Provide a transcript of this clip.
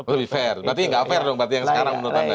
lebih fair berarti nggak fair dong berarti yang sekarang menurut anda